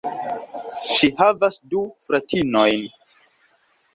Ŝi havas du fratinojn.